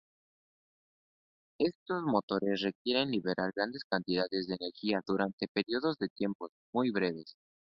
Estos motores requieren liberar grandes cantidades de energía durante períodos de tiempo muy breves.